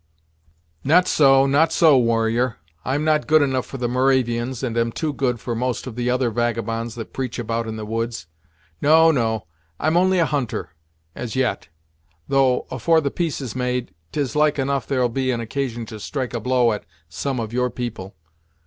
"Not so not so, warrior. I'm not good enough for the Moravians, and am too good for most of the other vagabonds that preach about in the woods. No, no; I'm only a hunter, as yet, though afore the peace is made, 'tis like enough there'll be occasion to strike a blow at some of your people.